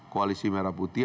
koalisi merah putih